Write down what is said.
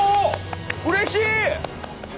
うれしい！